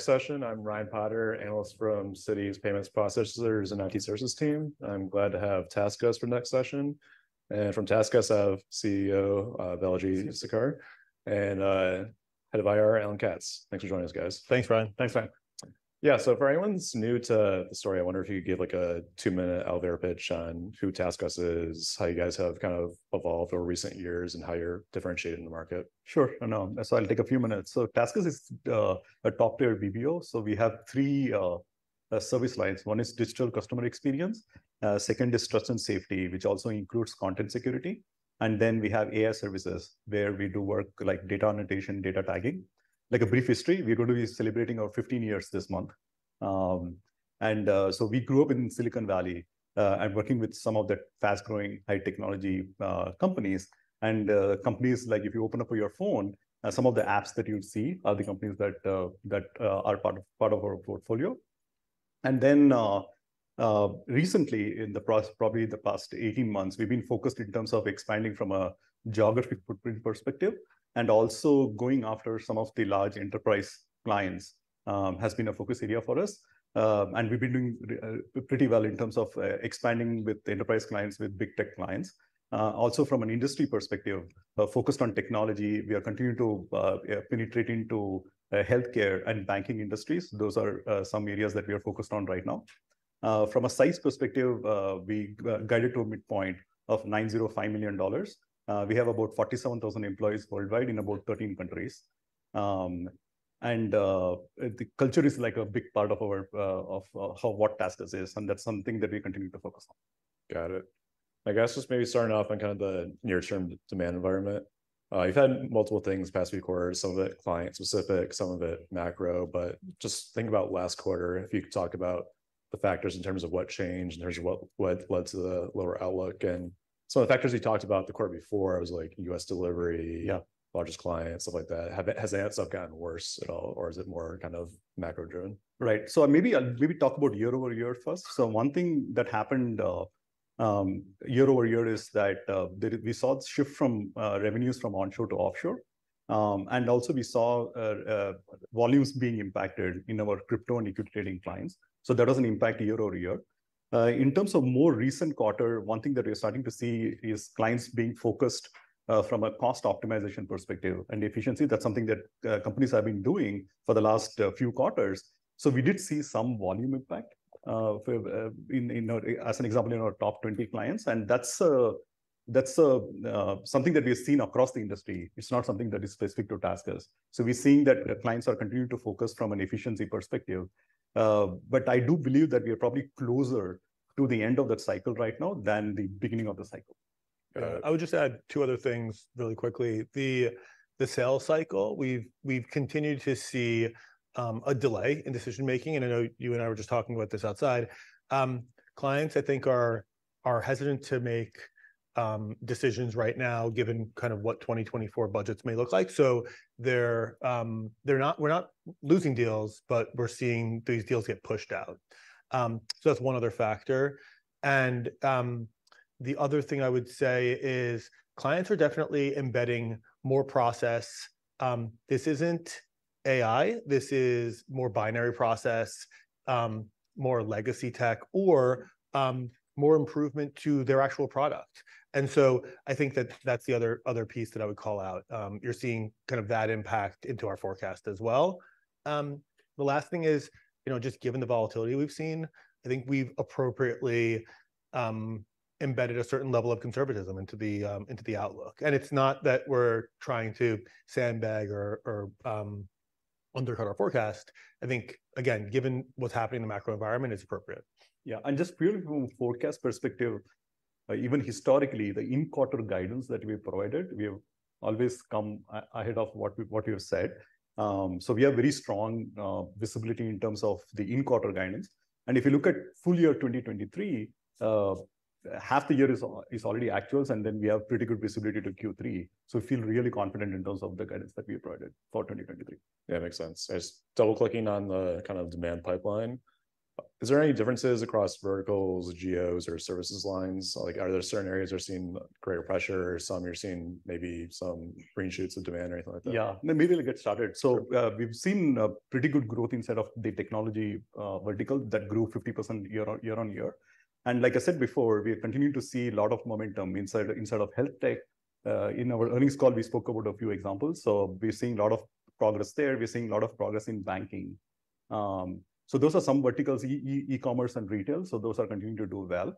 session. I'm Ryan Potter, analyst from Citi's Payments Processors and IT Services team. I'm glad to have TaskUs for next session. And from TaskUs, I have CFO, Balaji Sekar, and Head of IR, Alan Katz. Thanks for joining us, guys. Thanks, Ryan. Thanks, Ryan. Yeah, so if anyone's new to the story, I wonder if you could give, like, a two-minute elevator pitch on who TaskUs is, how you guys have kind of evolved over recent years, and how you're differentiating the market? Sure. No, I'll take a few minutes. TaskUs is a top-tier BPO. We have three service lines. One is Digital Customer Experience. Second is Trust and Safety, which also includes content security. And then we have AI Services, where we do work like data annotation, data tagging. Like a brief history, we're going to be celebrating our 15 years this month. And so we grew up in Silicon Valley and working with some of the fast-growing, high-technology companies. And companies, like, if you open up your phone, some of the apps that you'll see are the companies that are part of our portfolio. Then, recently, probably the past 18 months, we've been focused in terms of expanding from a geographic footprint perspective, and also going after some of the large enterprise clients, has been a focus area for us. And we've been doing, pretty well in terms of, expanding with the enterprise clients, with big tech clients. Also from an industry perspective, focused on technology, we are continuing to, yeah, penetrate into, healthcare and banking industries. Those are, some areas that we are focused on right now. From a size perspective, we are guided to a midpoint of $905 million. We have about 47,000 employees worldwide in about 13 countries. The culture is, like, a big part of what TaskUs is, and that's something that we continue to focus on. Got it. I guess just maybe starting off on kind of the near-term demand environment. You've had multiple things the past few quarters, some of it client specific, some of it macro, but just think about last quarter, and if you could talk about the factors in terms of what changed, and there's what, what led to the lower outlook. Some of the factors you talked about the quarter before was, like, U.S. delivery- Yeah ... largest clients, stuff like that. Has that stuff gotten worse at all, or is it more kind of macro driven? Right. So maybe I'll maybe talk about year-over-year first. So one thing that happened year-over-year is that that we saw a shift from revenues from onshore to offshore. And also, we saw volumes being impacted in our crypto and equity trading clients. So that was an impact year-over-year. In terms of more recent quarter, one thing that we're starting to see is clients being focused from a cost optimization perspective and efficiency. That's something that companies have been doing for the last few quarters. So we did see some volume impact in our... as an example, in our top 20 clients, and that's something that we've seen across the industry. It's not something that is specific to TaskUs. So we're seeing that the clients are continuing to focus from an efficiency perspective. But I do believe that we are probably closer to the end of that cycle right now than the beginning of the cycle. I would just add two other things really quickly. The sales cycle, we've continued to see a delay in decision making, and I know you and I were just talking about this outside. Clients, I think, are hesitant to make decisions right now, given kind of what 2024 budgets may look like. So they're not-- we're not losing deals, but we're seeing these deals get pushed out. So that's one other factor. And the other thing I would say is clients are definitely embedding more process. This isn't AI, this is more binary process, more legacy tech or more improvement to their actual product. And so I think that that's the other piece that I would call out. You're seeing kind of that impact into our forecast as well. The last thing is, you know, just given the volatility we've seen, I think we've appropriately embedded a certain level of conservatism into the outlook. It's not that we're trying to sandbag or undercut our forecast. I think, again, given what's happening in the macro environment, it's appropriate. Yeah, and just purely from a forecast perspective, even historically, the in-quarter guidance that we provided, we have always come ahead of what we have said. So we have very strong visibility in terms of the in-quarter guidance. And if you look at full year 2023, half the year is already actuals, and then we have pretty good visibility to Q3. So we feel really confident in terms of the guidance that we provided for 2023. Yeah, makes sense. Just double-clicking on the kind of demand pipeline, is there any differences across verticals, geos, or service lines? Like, are there certain areas you're seeing greater pressure, some you're seeing maybe some green shoots of demand or anything like that? Yeah. Let me get started. So, we've seen a pretty good growth inside of the technology vertical that grew 50% year-on-year. And like I said before, we continue to see a lot of momentum inside of health tech. In our earnings call, we spoke about a few examples. So we're seeing a lot of progress there. We're seeing a lot of progress in banking. So those are some verticals, e-commerce and retail, so those are continuing to do well.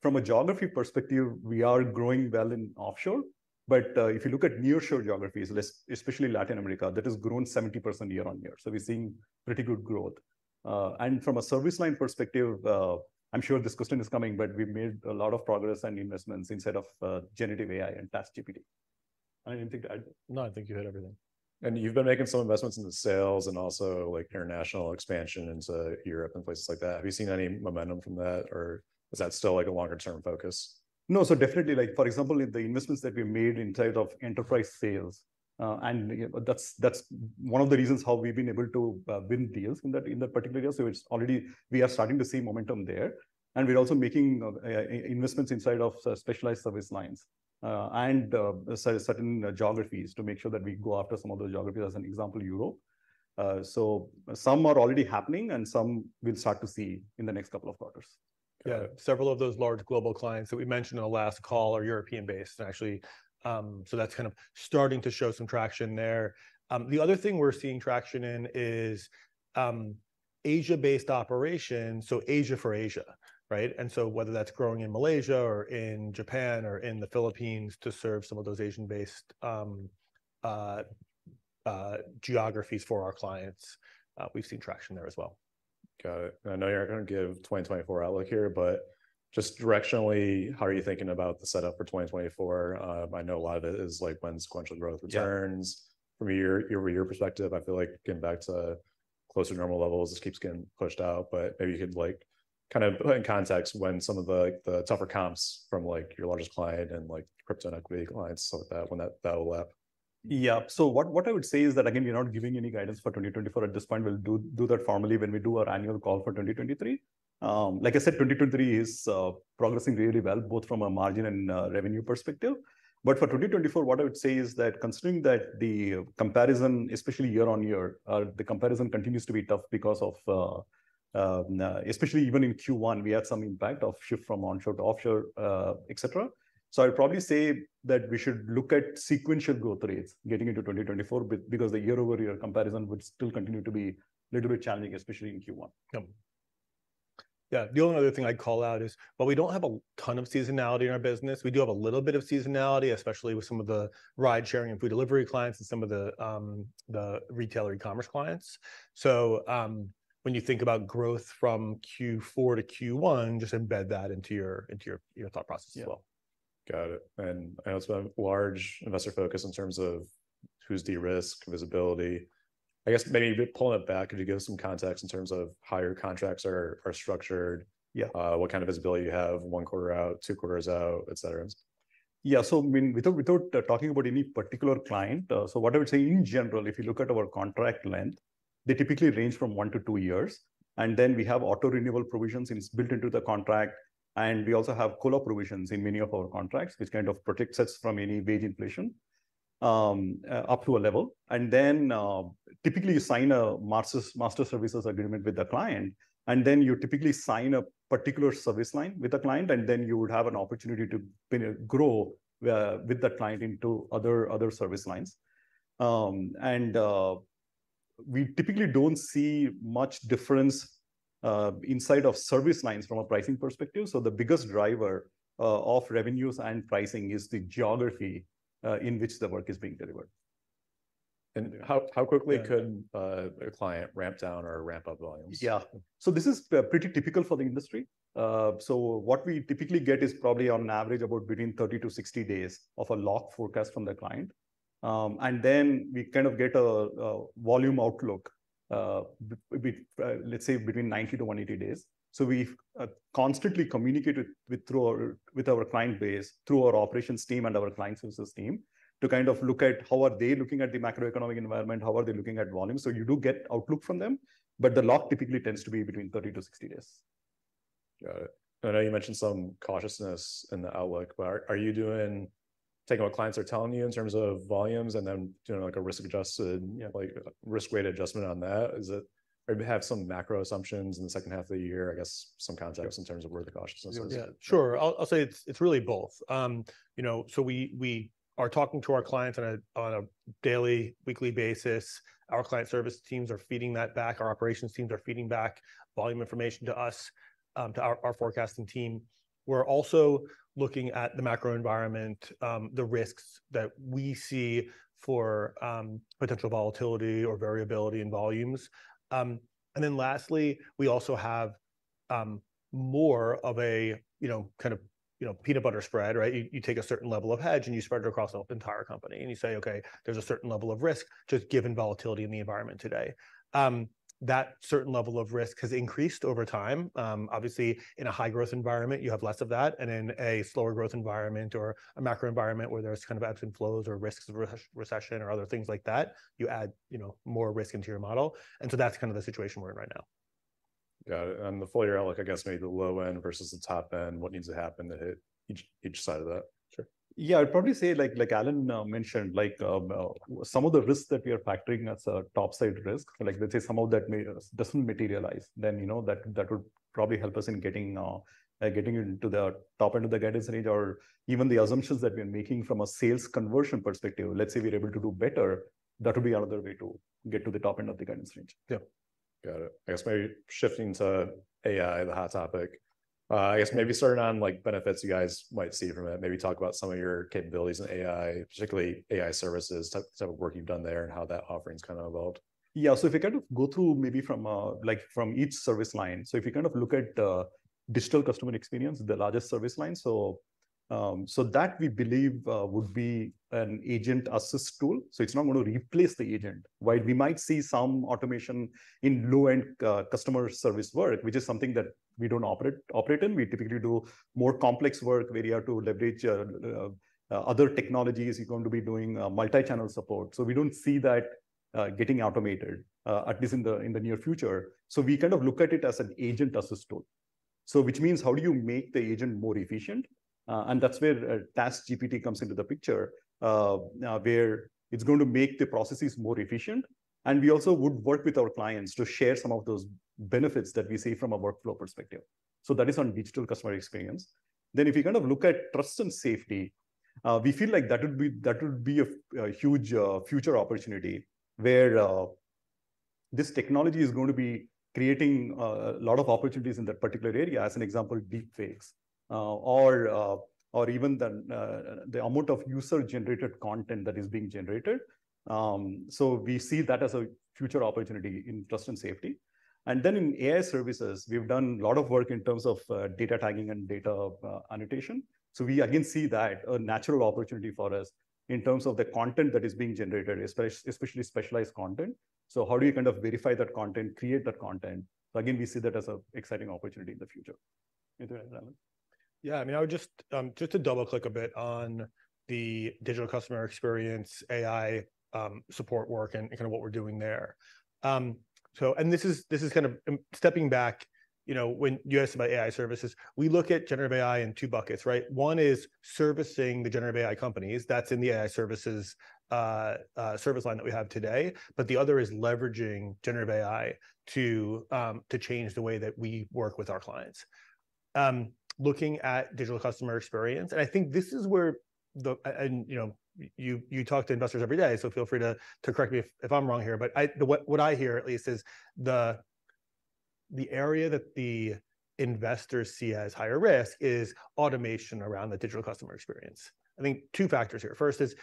From a geography perspective, we are growing well in offshore, but if you look at nearshore geographies, especially Latin America, that has grown 70% year-on-year. So we're seeing pretty good growth. From a service line perspective, I'm sure this question is coming, but we've made a lot of progress and investments inside of generative AI and TaskGPT. I didn't think... No, I think you hit everything. You've been making some investments into sales and also, like, international expansion into Europe and places like that. Have you seen any momentum from that, or is that still, like, a longer-term focus? No, so definitely, like, for example, the investments that we've made inside of enterprise sales, and yeah, that's one of the reasons how we've been able to win deals in that particular area. So it's already. We are starting to see momentum there, and we're also making investments inside of specialized service lines, and certain geographies to make sure that we go after some of those geographies, as an example, Europe. So some are already happening, and some we'll start to see in the next couple of quarters. Yeah, several of those large global clients that we mentioned on the last call are European-based, actually. So that's kind of starting to show some traction there. The other thing we're seeing traction in is Asia-based operations, so Asia for Asia, right? And so whether that's growing in Malaysia, or in Japan, or in the Philippines to serve some of those Asian-based geographies for our clients, we've seen traction there as well. Got it. I know you're not gonna give 2024 outlook here, but just directionally, how are you thinking about the setup for 2024? I know a lot of it is, like, when sequential growth returns- Yeah. From a year-over-year perspective, I feel like getting back to closer to normal levels just keeps getting pushed out. But maybe you could, like, kind of put in context when some of the tougher comps from, like, your largest client and, like, crypto and equity clients, stuff like that, when that will lap. Yeah. So what I would say is that, again, we're not giving any guidance for 2024 at this point. We'll do that formally when we do our annual call for 2023. Like I said, 2023 is progressing really well, both from a margin and a revenue perspective. But for 2024, what I would say is that considering that the comparison, especially year-on-year, the comparison continues to be tough because of... Especially even in Q1, we had some impact of shift from onshore to offshore, et cetera. So I'd probably say that we should look at sequential growth rates getting into 2024, because the year-over-year comparison would still continue to be a little bit challenging, especially in Q1. Yeah. Yeah, the only other thing I'd call out is, while we don't have a ton of seasonality in our business, we do have a little bit of seasonality, especially with some of the ride-sharing and food delivery clients and some of the retail e-commerce clients. So, when you think about growth from Q4 to Q1, just embed that into your thought process as well. Yeah. Got it. I know it's a large investor focus in terms of who's de-risk, visibility. I guess maybe pulling it back, could you give some context in terms of how your contracts are, are structured? Yeah. What kind of visibility you have, one quarter out, two quarters out, et cetera? Yeah. So, I mean, without talking about any particular client, so what I would say in general, if you look at our contract length, they typically range from one to two years, and then we have auto-renewal provisions, and it's built into the contract. And we also have collar provisions in many of our contracts, which kind of protects us from any wage inflation, up to a level. And then, typically, you sign a master services agreement with the client, and then you typically sign a particular service line with the client, and then you would have an opportunity to kind of grow, with that client into other service lines. And we typically don't see much difference, inside of service lines from a pricing perspective. The biggest driver of revenues and pricing is the geography in which the work is being delivered. And how quickly- Yeah... could, a client ramp down or ramp up volumes? Yeah. So this is pretty typical for the industry. So what we typically get is probably on average about between 30-60 days of a lock forecast from the client. And then we kind of get a volume outlook, let's say between 90-180 days. So we've constantly communicated with our client base, through our operations team and our client services team, to kind of look at how are they looking at the macroeconomic environment, how are they looking at volumes? So you do get outlook from them, but the lock typically tends to be between 30-60 days. Got it. I know you mentioned some cautiousness in the outlook, but are you doing... Taking what clients are telling you in terms of volumes and then doing, like, a risk-adjusted- Yeah... like, risk-weight adjustment on that? Is it, or do you have some macro assumptions in the second half of the year? I guess some context in terms of where the cautiousness is? Yeah. Sure. I'll, I'll say it's, it's really both. You know, so we, we are talking to our clients on a, on a daily, weekly basis. Our client service teams are feeding that back. Our operations teams are feeding back volume information to us, to our, our forecasting team. We're also looking at the macro environment, the risks that we see for, potential volatility or variability in volumes. And then lastly, we also have, more of a, you know, kind of, you know, peanut butter spread, right? You, you take a certain level of hedge, and you spread it across the entire company, and you say: "Okay, there's a certain level of risk, just given volatility in the environment today." That certain level of risk has increased over time. Obviously, in a high-growth environment, you have less of that, and in a slower growth environment or a macro environment where there's kind of ebbs and flows or risks of recession or other things like that, you add, you know, more risk into your model. And so that's kind of the situation we're in right now. Got it. The full year outlook, I guess maybe the low end versus the top end, what needs to happen to hit each, each side of that? Sure. Yeah, I'd probably say, like, like Alan mentioned, like, some of the risks that we are factoring as a top-side risk, like, let's say some of that may, doesn't materialize, then, you know, that, that would probably help us in getting, getting into the top end of the guidance range. Or even the assumptions that we're making from a sales conversion perspective, let's say we're able to do better, that would be another way to get to the top end of the guidance range. Yeah. Got it. I guess maybe shifting to AI, the hot topic. I guess maybe starting on, like, benefits you guys might see from it. Maybe talk about some of your capabilities in AI, particularly AI Services, type of work you've done there, and how that offering's kind of evolved. Yeah, so if we kind of go through maybe from a, like, from each service line, so if you kind of look at the Digital Customer Experience, the largest service line, so that we believe would be an agent assist tool. So it's not going to replace the agent. While we might see some automation in low-end customer service work, which is something that we don't operate in, we typically do more complex work where you have to leverage other technologies. You're going to be doing multi-channel support. So we don't see that getting automated at least in the near future. So we kind of look at it as an agent assist tool. So which means how do you make the agent more efficient? That's where TaskGPT comes into the picture, where it's going to make the processes more efficient. We also would work with our clients to share some of those benefits that we see from a workflow perspective. That is on digital customer experience. If you kind of look at trust and safety, we feel like that would be a huge future opportunity, where this technology is going to be creating a lot of opportunities in that particular area, as an example, deepfakes or even the amount of user-generated content that is being generated. We see that as a future opportunity in trust and safety. In AI services, we've done a lot of work in terms of data tagging and data annotation. So we again see that a natural opportunity for us in terms of the content that is being generated, especially specialized content. So how do you kind of verify that content, create that content? So again, we see that as a exciting opportunity in the future. Anything to add, Alan? Yeah, I mean, I would just. Just to double-click a bit on the digital customer experience, AI, support work and kind of what we're doing there. And this is kind of, and stepping back, you know, when you asked about AI Services, we look at generative AI in two buckets, right? One is servicing the generative AI companies, that's in the AI Services service line that we have today, but the other is leveraging generative AI to change the way that we work with our clients. Looking at digital customer experience, and I think this is where the and, you know, you talk to investors every day, so feel free to correct me if I'm wrong here. But what I hear, at least, is the area that the investors see as higher risk is automation around the Digital Customer Experience. I think two factors here. First is,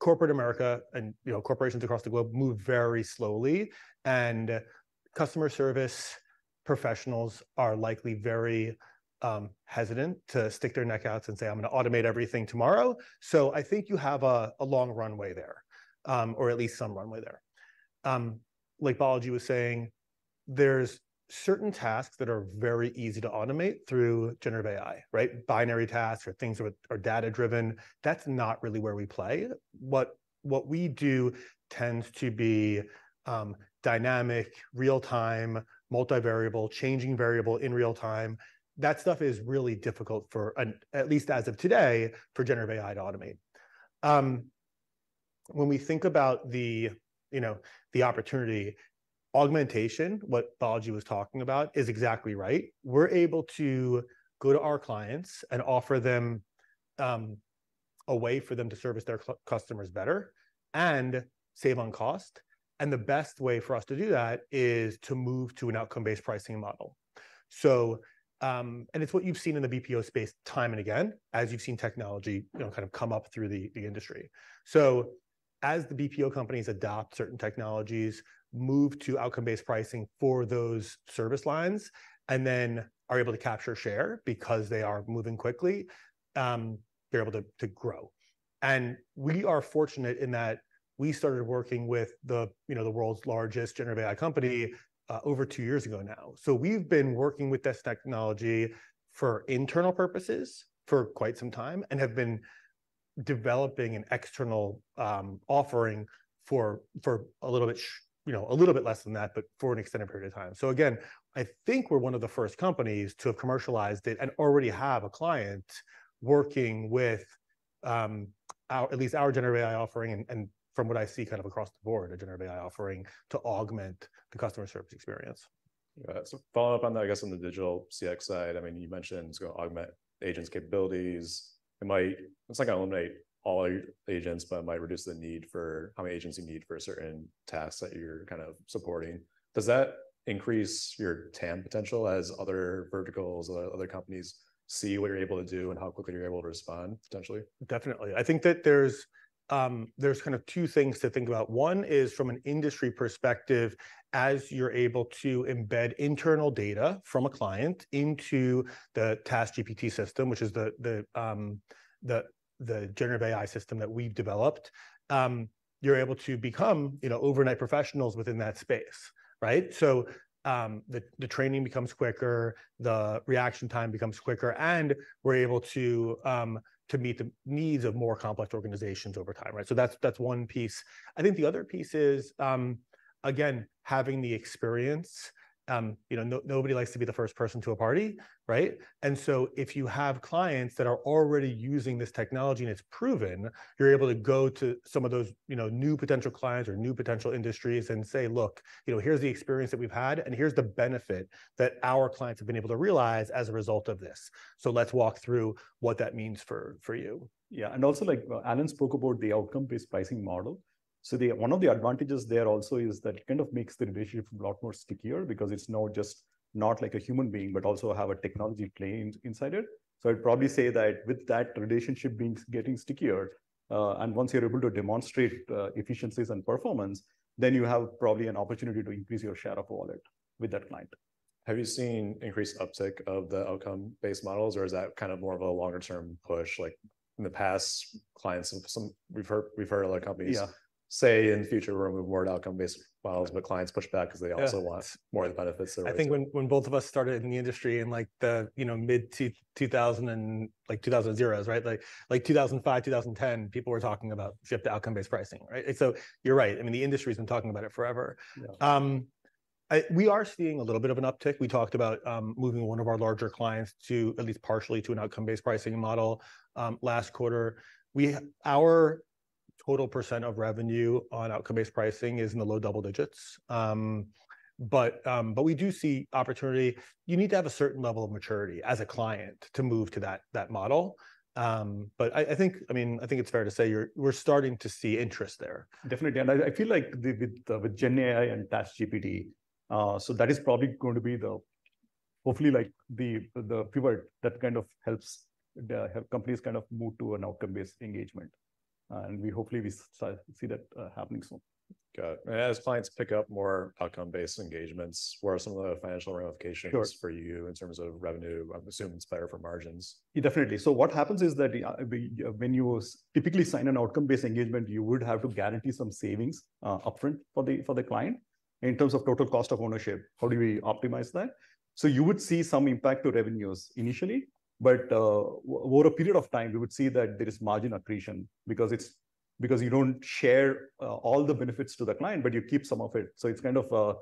corporate America and, you know, corporations across the globe move very slowly, and customer service professionals are likely very hesitant to stick their neck out and say, "I'm going to automate everything tomorrow." So I think you have a long runway there, or at least some runway there. Like Balaji was saying, there's certain tasks that are very easy to automate through generative AI, right? Binary tasks or things that are data-driven. That's not really where we play. What we do tends to be dynamic, real time, multivariable, changing variable in real time. That stuff is really difficult, at least as of today, for generative AI to automate. When we think about the, you know, the opportunity, augmentation, what Balaji was talking about, is exactly right. We're able to go to our clients and offer them a way for them to service their customers better and save on cost, and the best way for us to do that is to move to an outcome-based pricing model. So, and it's what you've seen in the BPO space time and again, as you've seen technology, you know, kind of come up through the, the industry. So as the BPO companies adopt certain technologies, move to outcome-based pricing for those service lines, and then are able to capture share because they are moving quickly, they're able to grow. We are fortunate in that we started working with the, you know, the world's largest generative AI company over two years ago now. So we've been working with this technology for internal purposes for quite some time and have been developing an external offering for a little bit less than that, but for an extended period of time. So again, I think we're one of the first companies to have commercialised it and already have a client working with our, at least our generative AI offering, and from what I see kind of across the board, a generative AI offering, to augment the customer service experience. Yeah. So follow up on that, I guess on digital CX side, I mean, you mentioned it's going to augment agents' capabilities. It might. It's not going to eliminate all your agents, but it might reduce the need for how many agents you need for certain tasks that you're kind of supporting. Does that increase your TAM potential as other verticals or other companies see what you're able to do and how quickly you're able to respond, potentially? Definitely. I think that there's kind of two things to think about. One is from an industry perspective, as you're able to embed internal data from a client into the TaskGPT system, which is the generative AI system that we've developed, you're able to become, you know, overnight professionals within that space, right? So, the training becomes quicker, the reaction time becomes quicker, and we're able to meet the needs of more complex organizations over time, right? So that's one piece. I think the other piece is, again, having the experience. You know, nobody likes to be the first person to a party, right? So if you have clients that are already using this technology and it's proven, you're able to go to some of those, you know, new potential clients or new potential industries and say: "Look, you know, here's the experience that we've had, and here's the benefit that our clients have been able to realize as a result of this. So let's walk through what that means for you. Yeah, and also, like, Alan spoke about the outcome-based pricing model. So one of the advantages there also is that it kind of makes the relationship a lot more stickier because it's now just not like a human being, but also have a technology playing inside it. So I'd probably say that with that relationship being getting stickier, and once you're able to demonstrate efficiencies and performance, then you have probably an opportunity to increase your share of wallet with that client. Have you seen increased uptick of the outcome-based models, or is that kind of more of a longer-term push? Like, in the past, clients and some—we've heard, we've heard a lot of companies- Yeah... say in the future we're moving toward outcome-based models, but clients push back because they also want- Yeah... more of the benefits there. I think when both of us started in the industry in, like, the, you know, mid-2000s, right? Like, 2005, 2010, people were talking about shift to outcome-based pricing, right? So you're right. I mean, the industry's been talking about it forever. Yeah.... we are seeing a little bit of an uptick. We talked about moving one of our larger clients to, at least partially, to an outcome-based pricing model last quarter. Our total percent of revenue on outcome-based pricing is in the low double digits. But we do see opportunity. You need to have a certain level of maturity as a client to move to that model. But I think, I mean, I think it's fair to say we're starting to see interest there. Definitely, and I feel like with GenAI and TaskGPT, so that is probably going to be, hopefully, like the pivot that kind of helps companies kind of move to an outcome-based engagement. And we hopefully start to see that happening soon. Got it. And as clients pick up more outcome-based engagements, what are some of the financial ramifications- Sure. -for you in terms of revenue? I'm assuming it's better for margins. Yeah, definitely. So what happens is that, yeah, when you typically sign an outcome-based engagement, you would have to guarantee some savings, upfront for the client in terms of total cost of ownership. How do we optimize that? So you would see some impact to revenues initially, but, over a period of time, we would see that there is margin accretion, because it's because you don't share all the benefits to the client, but you keep some of it. So it's kind of a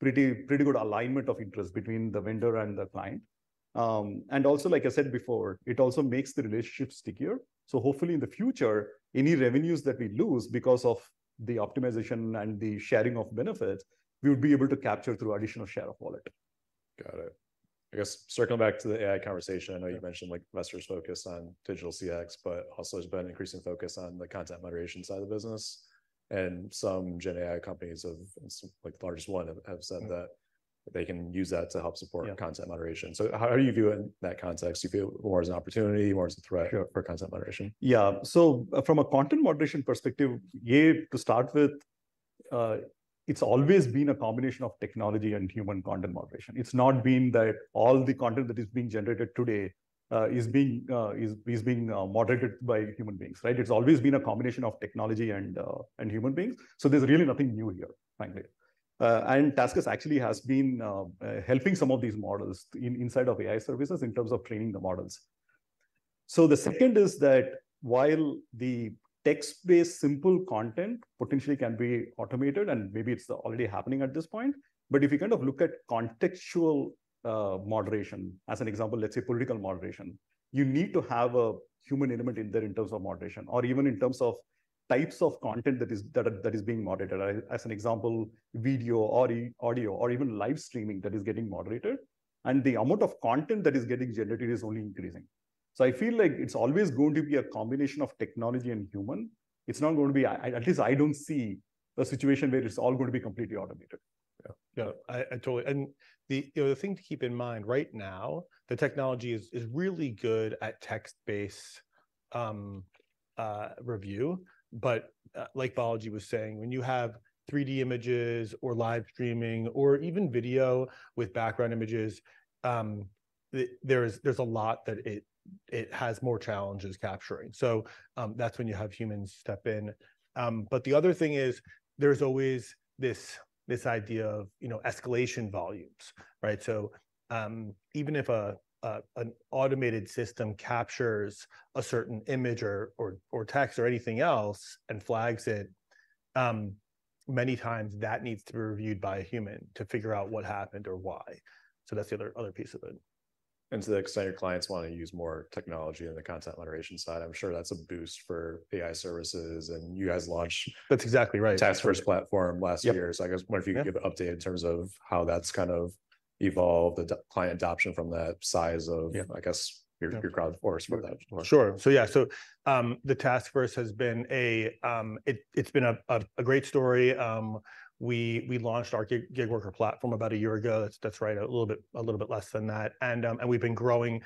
pretty, pretty good alignment of interest between the vendor and the client. And also, like I said before, it also makes the relationship stickier. So hopefully, in the future, any revenues that we lose because of the optimization and the sharing of benefits, we would be able to capture through additional share of wallet. Got it. I guess circling back to the AI conversation, I know you mentioned, like, investors focus digital CX, but also there's been increasing focus on the content moderation side of the business, and some GenAI companies have—some, like the largest one, have said that they can use that to help support... Yeah... content moderation. So how do you view it in that context? Do you view it more as an opportunity, more as a threat- Sure... for content moderation? Yeah. So from a content moderation perspective, to start with, it's always been a combination of technology and human content moderation. It's not been that all the content that is being generated today is being moderated by human beings, right? It's always been a combination of technology and human beings. So there's really nothing new here, frankly. And TaskUs actually has been helping some of these models inside of AI Services in terms of training the models. So the second is that while the text-based simple content potentially can be automated, and maybe it's already happening at this point, but if you kind of look at contextual moderation, as an example, let's say political moderation, you need to have a human element in there in terms of moderation or even in terms of types of content that is being moderated. As an example, video, audio, or even live streaming that is getting moderated. And the amount of content that is getting generated is only increasing. So I feel like it's always going to be a combination of technology and human. It's not going to be... I at least don't see a situation where it's all going to be completely automated. Yeah, yeah, I totally... The thing to keep in mind right now, the technology is really good at text-based review, but like Balaji was saying, when you have 3D images or live streaming or even video with background images, there is, there's a lot that it has more challenges capturing. That's when you have humans step in. The other thing is, there's always this idea of, you know, escalation volumes, right? Even if an automated system captures a certain image or text or anything else and flags it, many times that needs to be reviewed by a human to figure out what happened or why. That's the other piece of it. To the extent your clients wanna use more technology on the content moderation side, I'm sure that's a boost for AI Services, and you guys launched- That's exactly right.... TaskVerse platform last year. Yep. So I guess, I wonder if you can give an update in terms of how that's kind of evolved, the client adoption from the size of- Yeah... I guess your crowd force for that. Sure. So yeah, so, the TaskVerse has been a... It's been a great story. We launched our gig worker platform about a year ago. That's right, a little bit less than that. And we've been growing,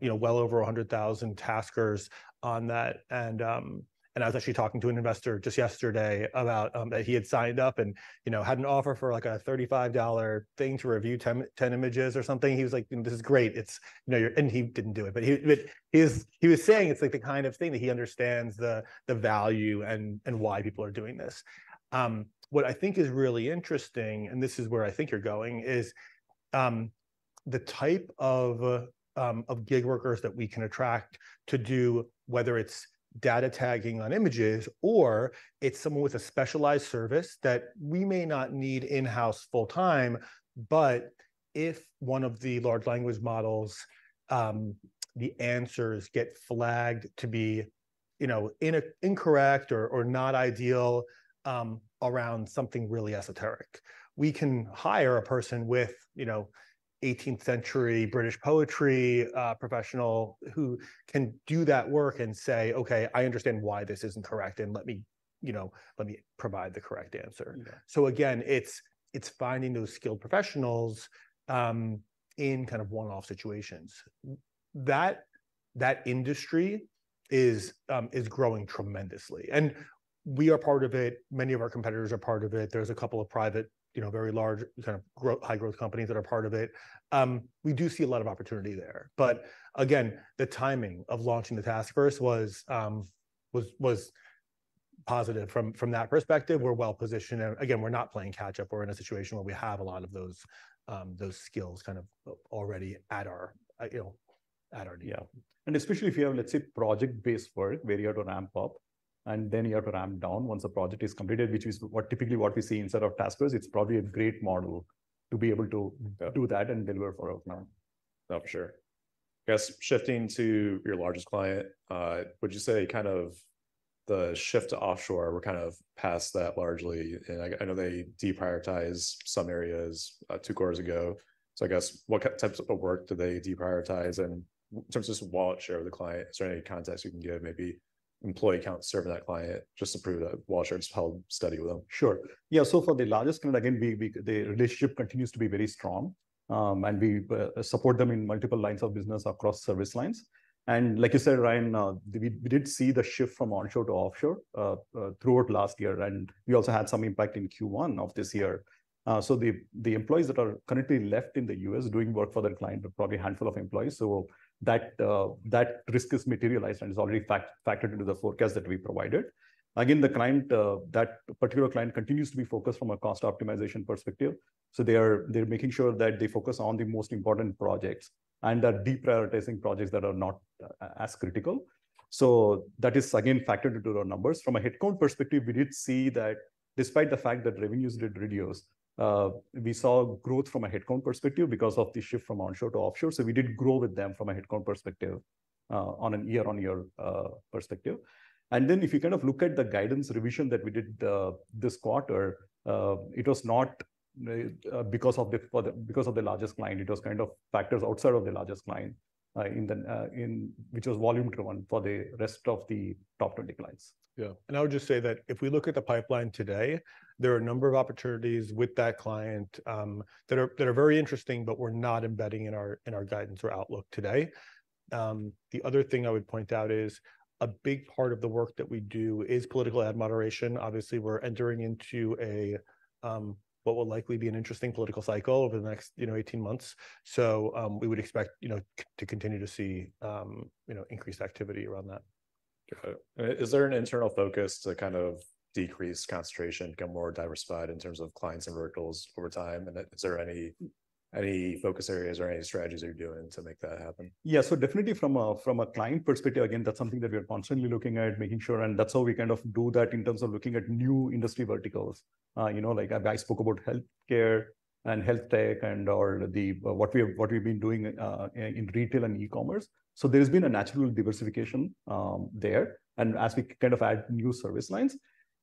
you know, well over 100,000 Taskers on that. And I was actually talking to an investor just yesterday about that he had signed up and, you know, had an offer for, like, a $35 thing to review 10 images or something. He was like: "This is great, it's, you know, you're..." And he didn't do it, but he was saying it's, like, the kind of thing that he understands the value and why people are doing this. What I think is really interesting, and this is where I think you're going, is the type of gig workers that we can attract to do, whether it's data tagging on images, or it's someone with a specialized service that we may not need in-house full-time, but if one of the large language models, the answers get flagged to be, you know, incorrect or not ideal, around something really esoteric, we can hire a person with, you know, 18th century British poetry professional, who can do that work and say, "Okay, I understand why this is incorrect, and let me, you know, let me provide the correct answer. Yeah. So again, it's finding those skilled professionals in kind of one-off situations. That industry is growing tremendously, and we are part of it. Many of our competitors are part of it. There's a couple of private, you know, very large, kind of high growth companies that are part of it. We do see a lot of opportunity there, but again, the timing of launching the TaskVerse was positive from that perspective. We're well positioned, and again, we're not playing catch-up. We're in a situation where we have a lot of those skills kind of already at our, you know-... added, yeah. And especially if you have, let's say, project-based work, where you have to ramp up, and then you have to ramp down once the project is completed, which is what- typically what we see in TaskVerse, it's probably a great model to be able to- Yeah. do that and deliver for our client. Oh, for sure. I guess shifting to your largest client, would you say kind of the shift to offshore, we're kind of past that largely? And I know they deprioritized some areas two quarters ago. So I guess, what types of work do they deprioritize? And in terms of just wallet share of the client, is there any context you can give, maybe employee count serving that client, just to prove that wallet share has held steady with them? Sure. Yeah, for the largest client, again, we, we-- the relationship continues to be very strong. We, we support them in multiple lines of business across service lines. Like you said, Ryan, we, we did see the shift from onshore to offshore throughout last year, and we also had some impact in Q1 of this year. The employees that are currently left in the U.S. doing work for their client are probably a handful of employees. That risk is materialized and is already factored into the forecast that we provided. Again, that particular client continues to be focused from a cost optimization perspective. They are making sure that they focus on the most important projects and are deprioritizing projects that are not as critical. So that is again factored into our numbers. From a headcount perspective, we did see that despite the fact that revenues did reduce, we saw growth from a headcount perspective because of the shift from onshore to offshore. So we did grow with them from a headcount perspective, on a year-on-year perspective. And then if you kind of look at the guidance revision that we did this quarter, it was not because of the largest client; it was kind of factors outside of the largest client, which was volume driven for the rest of the top 20 clients. Yeah. And I would just say that if we look at the pipeline today, there are a number of opportunities with that client that are very interesting, but we're not embedding in our guidance or outlook today. The other thing I would point out is a big part of the work that we do is political ad moderation. Obviously, we're entering into a what will likely be an interesting political cycle over the next, you know, 18 months. So, we would expect, you know, to continue to see, you know, increased activity around that. Got it. Is there an internal focus to kind of decrease concentration, become more diversified in terms of clients and verticals over time? And is there any, any focus areas or any strategies you're doing to make that happen? Yeah. So definitely from a client perspective, again, that's something that we are constantly looking at, making sure, and that's how we kind of do that in terms of looking at new industry verticals. You know, like I spoke about healthcare and health tech and, or the, what we've been doing in retail and e-commerce. So there's been a natural diversification there, and as we kind of add new service lines.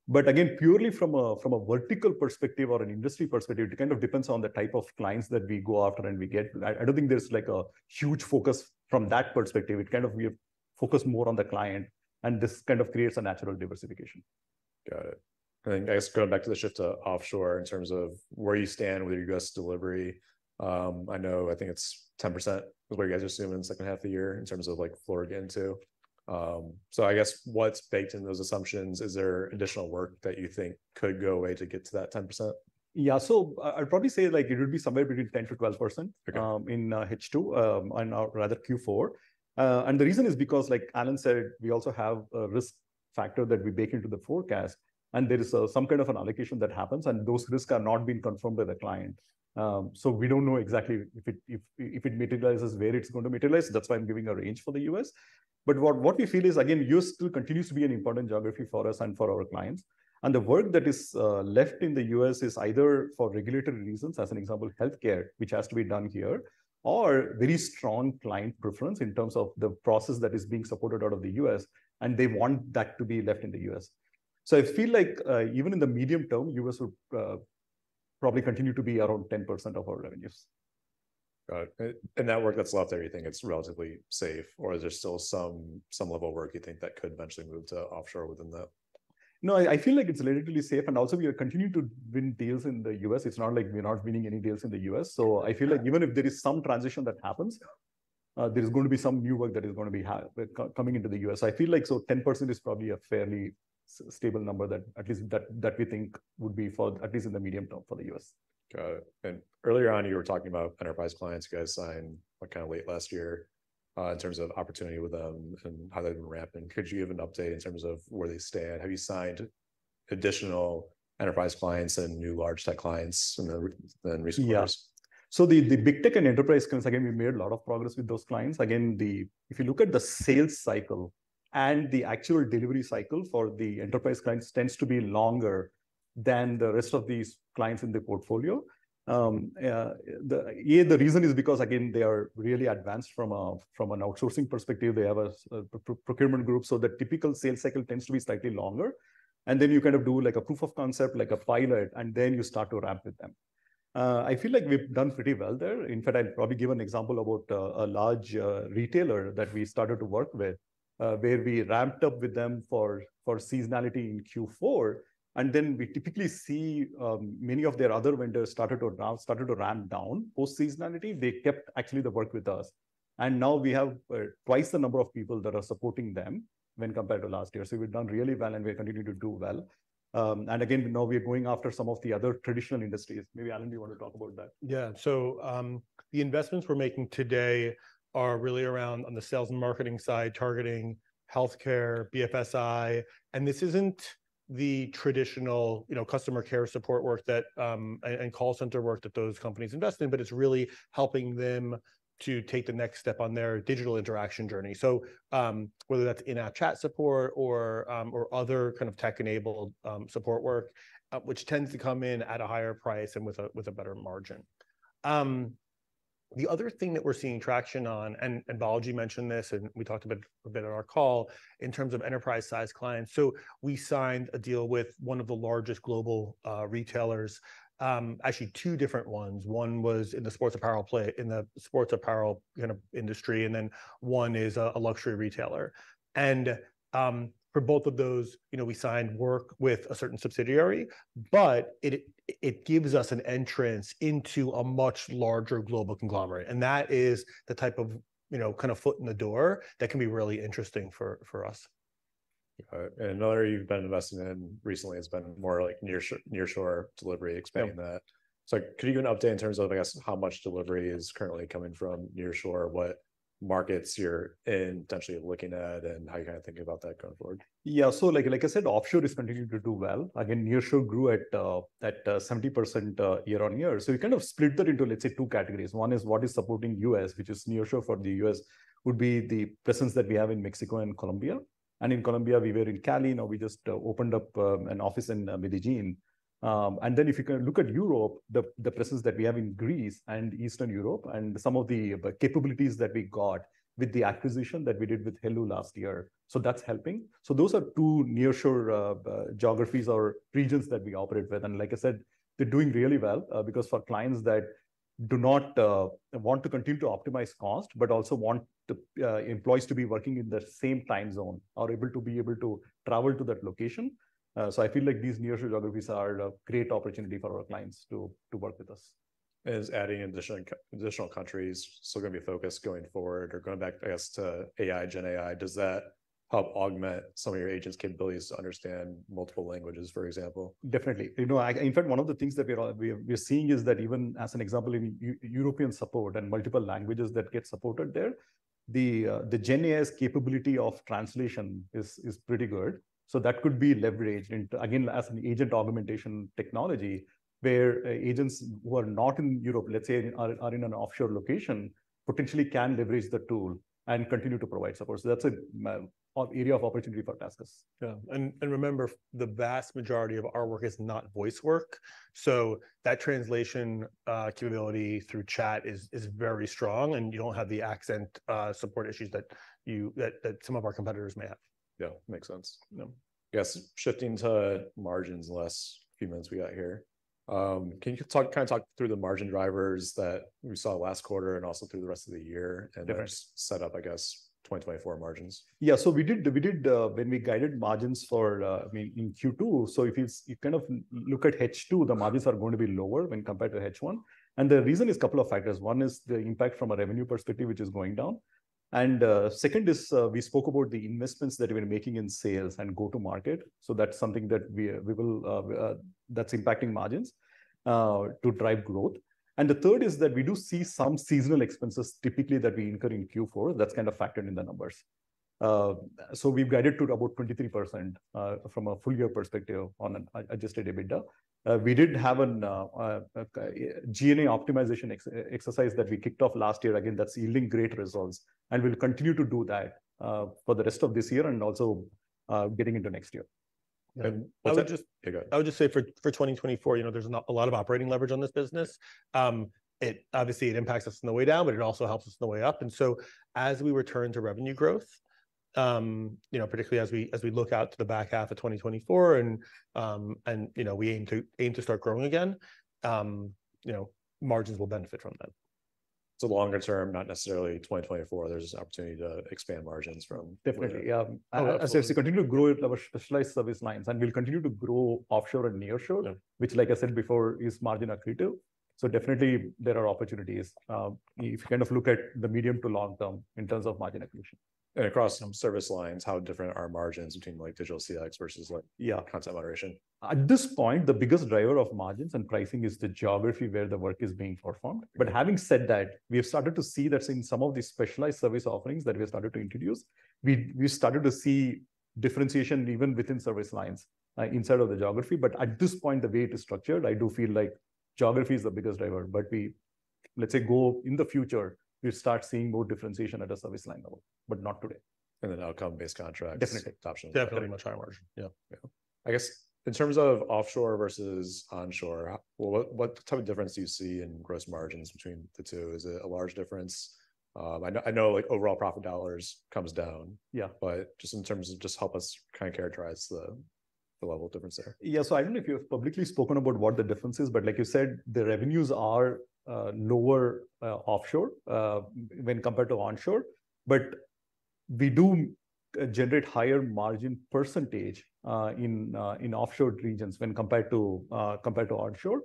But again, purely from a vertical perspective or an industry perspective, it kind of depends on the type of clients that we go after and we get. I don't think there's, like, a huge focus from that perspective. It kind of... We focus more on the client, and this kind of creates a natural diversification. Got it. And I guess going back to the shift to offshore in terms of where you stand with your U.S. delivery, I know, I think it's 10% is what you guys are assuming in the second half of the year in terms of, like, offshore. So I guess what's baked in those assumptions? Is there additional work that you think could go away to get to that 10%? Yeah. So I'd probably say, like, it would be somewhere between 10%-12%- Okay... in H2 and rather Q4. And the reason is because, like Alan said, we also have a risk factor that we bake into the forecast, and there is some kind of an allocation that happens, and those risks are not being confirmed by the client. So we don't know exactly if it, if, if it materializes, where it's going to materialize. That's why I'm giving a range for the U.S.. But what, what we feel is, again, U.S. still continues to be an important geography for us and for our clients. The work that is left in the U.S. is either for regulatory reasons, as an example, healthcare, which has to be done here, or very strong client preference in terms of the process that is being supported out of the U.S., and they want that to be left in the U.S.. So I feel like, even in the medium term, U.S. would probably continue to be around 10% of our revenues. Got it. And that work that's left there, you think it's relatively safe, or is there still some level of work you think that could eventually move to offshore within that? No, I feel like it's relatively safe, and also we are continuing to win deals in the U.S.. It's not like we're not winning any deals in the U.S.. So I feel like even if there is some transition that happens, there is going to be some new work that is gonna be coming into the U.S.. I feel like 10% is probably a fairly stable number that at least we think would be for at least in the medium term for the U.S.. Got it. Earlier on, you were talking about enterprise clients. You guys signed, what, kind of late last year in terms of opportunity with them and how they've been ramping. Could you give an update in terms of where they stand? Have you signed additional enterprise clients and new large tech clients in recent quarters? Yeah. So the big tech and enterprise clients, again, we made a lot of progress with those clients. Again, if you look at the sales cycle, and the actual delivery cycle for the enterprise clients tends to be longer than the rest of these clients in the portfolio. The reason is because, again, they are really advanced from a, from an outsourcing perspective. They have a procurement group, so the typical sales cycle tends to be slightly longer. And then you kind of do, like, a proof of concept, like a pilot, and then you start to ramp with them. I feel like we've done pretty well there. In fact, I'll probably give an example about a large retailer that we started to work with, where we ramped up with them for seasonality in Q4. And then we typically see many of their other vendors started to ramp down post seasonality. They kept actually the work with us, and now we have twice the number of people that are supporting them when compared to last year. So we've done really well, and we're continuing to do well. And again, now we're going after some of the other traditional industries. Maybe, Alan, do you want to talk about that? Yeah. So, the investments we're making today are really around on the sales and marketing side, targeting healthcare, BFSI. And this isn't the traditional, you know, customer care support work that, and call center work that those companies invest in, but it's really helping them to take the next step on their digital interaction journey. So, whether that's in our chat support or other kind of tech-enabled support work, which tends to come in at a higher price and with a better margin. The other thing that we're seeing traction on, and Balaji mentioned this, and we talked about it a bit on our call, in terms of enterprise-sized clients. So we signed a deal with one of the largest global retailers. Actually, two different ones. One was in the sports apparel play in the sports apparel kind of industry, and then one is a luxury retailer. For both of those, you know, we signed work with a certain subsidiary, but it gives us an entrance into a much larger global conglomerate, and that is the type of, you know, kind of foot in the door that can be really interesting for us. Okay. Another you've been investing in recently has been more like nearshore delivery. Expand on that. Yeah. Could you give an update in terms of, I guess, how much delivery is currently coming from nearshore, what markets you're potentially looking at, and how you're kind of thinking about that going forward? Yeah. So like, like I said, offshore is continuing to do well. Again, nearshore grew at 70% year-on-year. So we kind of split that into, let's say, two categories. One is what is supporting U.S., which is nearshore for the U.S., would be the presence that we have in Mexico and Colombia. And in Colombia, we were in Cali, now we just opened up an office in Medellín. And then if you can look at Europe, the presence that we have in Greece and Eastern Europe and some of the capabilities that we got with the acquisition that we did with Heloo last year, so that's helping. So those are two nearshore geographies or regions that we operate with. Like I said, they're doing really well, because for clients that do not want to continue to optimize cost, but also want the employees to be working in the same time zone, are able to travel to that location. So I feel like these nearshore geographies are a great opportunity for our clients to work with us. Is adding additional countries still going to be a focus going forward? Or going back, I guess, to AI, gen AI, does that help augment some of your agents' capabilities to understand multiple languages, for example? Definitely. You know, in fact, one of the things that we're seeing is that even as an example, in European support and multiple languages that get supported there, the GenAI's capability of translation is pretty good. So that could be leveraged into, again, as an agent augmentation technology, where agents who are not in Europe, let's say, are in an offshore location, potentially can leverage the tool and continue to provide support. So that's an area of opportunity for TaskUs. Yeah. And remember, the vast majority of our work is not voice work, so that translation capability through chat is very strong, and you don't have the accent support issues that some of our competitors may have. Yeah, makes sense. Yeah. I guess, shifting to margins in the last few minutes we got here, can you talk, kind of, talk through the margin drivers that we saw last quarter and also through the rest of the year? Different... and set up, I guess, 2024 margins? Yeah. So we did when we guided margins for, I mean, in Q2, so if you kind of look at H2, the margins are going to be lower when compared to H1. And the reason is a couple of factors. One is the impact from a revenue perspective, which is going down. And second is, we spoke about the investments that we're making in sales and go-to-market. So that's something that we will, that's impacting margins to drive growth. And the third is that we do see some seasonal expenses typically that we incur in Q4, that's kind of factored in the numbers. So we've guided to about 23% from a full year perspective on an adjusted EBITDA. We did have an G&A optimization exercise that we kicked off last year. Again, that's yielding great results, and we'll continue to do that for the rest of this year and also getting into next year. And I would just- Yeah, go ahead. I would just say for 2024, you know, there's not a lot of operating leverage on this business. It obviously impacts us on the way down, but it also helps us on the way up. And so as we return to revenue growth, you know, particularly as we look out to the back half of 2024, and you know, we aim to start growing again, you know, margins will benefit from that. Longer term, not necessarily 2024, there's an opportunity to expand margins from- Definitely, yeah. Oh, absolutely. As we continue to grow our specialized service lines, and we'll continue to grow offshore and nearshore- Yeah... which, like I said before, is margin accretive. Definitely there are opportunities, if you kind of look at the medium to long term in terms of margin accretion. Across some service lines, how different are margins between, digital CX versus, like- Yeah... content moderation? At this point, the biggest driver of margins and pricing is the geography where the work is being performed. But having said that, we have started to see that in some of these specialized service offerings that we have started to introduce, we started to see differentiation even within service lines, inside of the geography. But at this point, the way it is structured, I do feel like geography is the biggest driver. But, let's say, go in the future, we start seeing more differentiation at a service line level, but not today. An outcome-based contract- Definitely... option. Definitely higher margin. Yeah, yeah. I guess in terms of offshore versus onshore, what, what type of difference do you see in gross margins between the two? Is it a large difference? I know, I know, like, overall profit dollars comes down. Yeah. But just in terms of... Just help us kind of characterize the level of difference there. Yeah. So I don't know if you've publicly spoken about what the difference is, but like you said, the revenues are lower offshore when compared to onshore. But we do generate higher margin percentage in offshore regions when compared to onshore.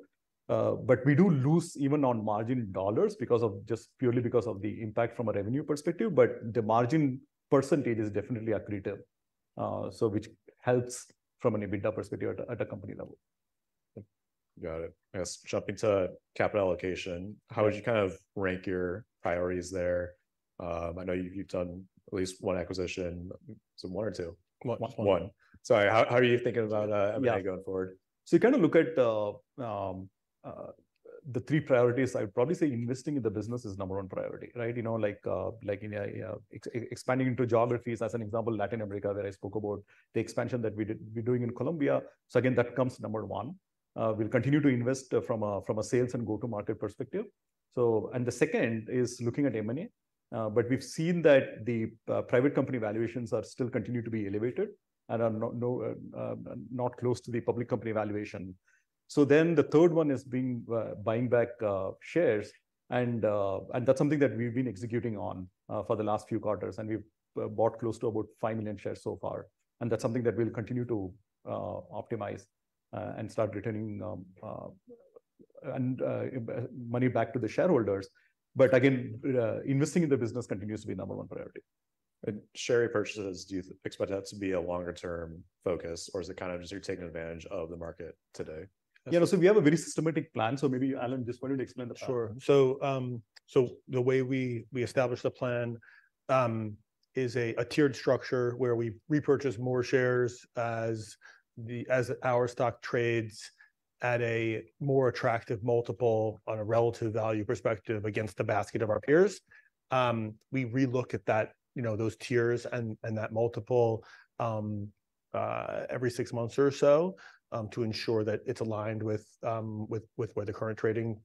But we do lose even on margin dollars because of just purely because of the impact from a revenue perspective, but the margin percentage is definitely accretive, so which helps from an EBITDA perspective at a company level. Got it. I guess jumping to capital allocation- Yeah... how would you kind of rank your priorities there? I know you, you've done at least one acquisition, so one or two? One. One. One. Sorry, how are you thinking about M&A going forward? Yeah. So you kind of look at the three priorities. I'd probably say investing in the business is number one priority, right? You know, like, like in a expanding into geographies, as an example, Latin America, where I spoke about the expansion that we did- we're doing in Colombia. So again, that comes number one. We'll continue to invest, from a sales and go-to-market perspective. So, and the second is looking at M&A. But we've seen that the private company valuations are still continuing to be elevated and are not close to the public company valuation. So then the third one is buying back shares, and that's something that we've been executing on for the last few quarters, and we've bought close to about 5 million shares so far. That's something that we'll continue to optimize and start returning money back to the shareholders. But again, investing in the business continues to be number one priority. Share repurchases, do you expect that to be a longer-term focus, or is it kind of just you're taking advantage of the market today? Yeah, so we have a very systematic plan. So maybe, Alan, just wanted to explain that? Sure. So the way we established the plan is a tiered structure where we repurchase more shares as our stock trades at a more attractive multiple on a relative value perspective against a basket of our peers. We relook at that, you know, those tiers and that multiple every six months or so to ensure that it's aligned with where the current trading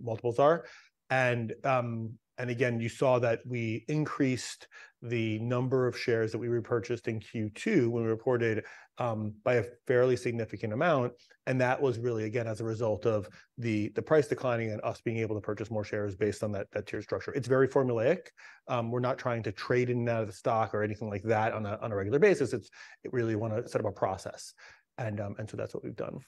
multiples are. And again, you saw that we increased the number of shares that we repurchased in Q2 when we reported by a fairly significant amount, and that was really, again, as a result of the price declining and us being able to purchase more shares based on that tier structure. It's very formulaic. We're not trying to trade in and out of the stock or anything like that on a regular basis. It really want to set up a process, and so that's what we've done.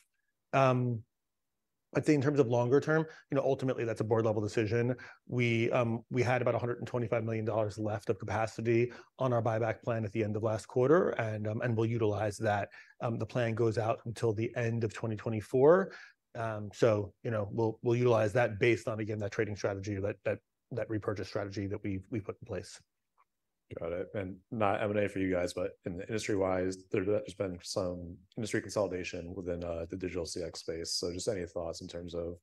I think in terms of longer term, you know, ultimately that's a board-level decision. We had about $125 million left of capacity on our buyback plan at the end of last quarter, and we'll utilize that. The plan goes out until the end of 2024. So, you know, we'll utilize that based on, again, that trading strategy, that repurchase strategy that we've put in place. Got it. And not M&A for you guys, but in the industry-wise, there, there's been some industry consolidation within digital CX space. So just any thoughts in terms of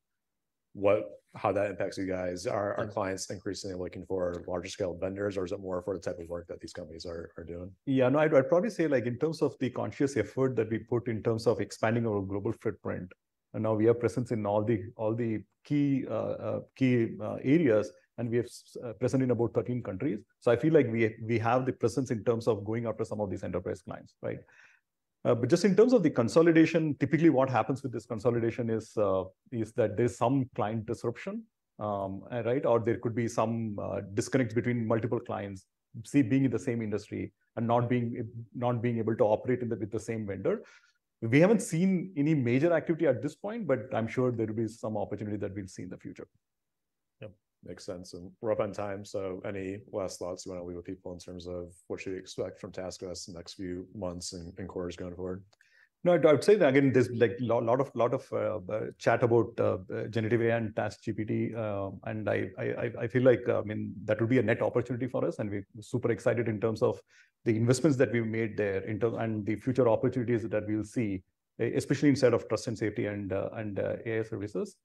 what, how that impacts you guys? Are, are clients increasingly looking for larger-scale vendors, or is it more for the type of work that these companies are, are doing? Yeah, no, I'd probably say, like in terms of the conscious effort that we put in terms of expanding our global footprint, and now we have presence in all the key areas, and we have presence in about 13 countries. So I feel like we have the presence in terms of going after some of these enterprise clients, right? But just in terms of the consolidation, typically what happens with this consolidation is that there's some client disruption, right? Or there could be some disconnect between multiple clients, say, being in the same industry and not being able to operate in the with the same vendor. We haven't seen any major activity at this point, but I'm sure there will be some opportunity that we'll see in the future. Yep, makes sense. We're up on time, so any last thoughts you want to leave with people in terms of what should we expect from TaskUs in the next few months and, and quarters going forward? No, I'd say that again, there's, like, a lot of chat about generative AI and TaskGPT, and I feel like, I mean, that will be a net opportunity for us, and we're super excited in terms of the investments that we've made there in terms and the future opportunities that we'll see, especially inside of Trust and Safety and AI Services.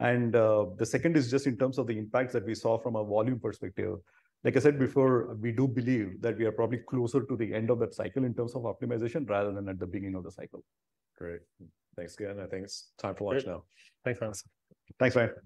And the second is just in terms of the impact that we saw from a volume perspective. Like I said before, we do believe that we are probably closer to the end of that cycle in terms of optimization, rather than at the beginning of the cycle. Great. Thanks again. I think it's time to watch now. Thanks, Ryan. Thanks, Ryan.